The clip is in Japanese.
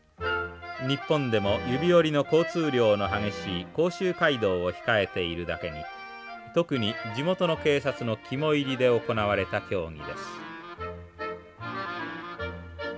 日本でも指折りの交通量の激しい甲州街道を控えているだけに特に地元の警察の肝煎りで行われた競技です。